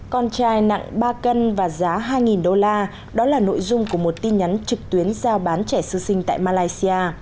con trai nặng ba cân và giá hai đô la đó là nội dung của một tin nhắn trực tuyến giao bán trẻ sơ sinh tại malaysia